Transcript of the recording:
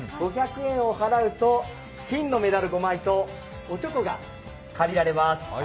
５００円を払うと金のメダル５枚とおちょこが借りられます。